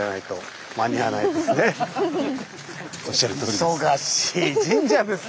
おっしゃるとおりです。